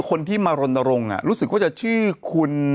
ก็รู้สึกว่าจะชื่อคุณ